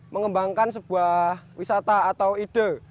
mengembangkan sebuah wisata atau ide